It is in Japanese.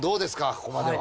ここまでは。